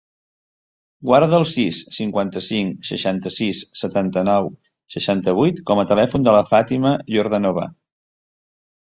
Guarda el sis, cinquanta-cinc, seixanta-sis, setanta-nou, seixanta-vuit com a telèfon de la Fàtima Yordanova.